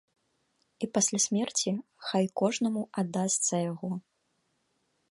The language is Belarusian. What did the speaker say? І пасля смерці хай кожнаму аддасца яго.